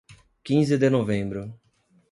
Quinze de Novembro